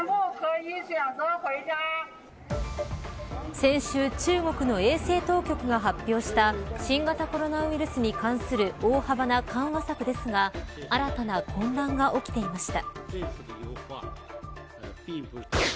先週中国の衛生当局が発表した新型コロナウイルスに関する大幅な緩和策ですが新たな混乱が起きていました。